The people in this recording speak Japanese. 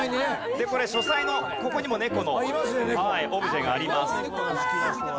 これ書斎のここにも猫のオブジェがあります。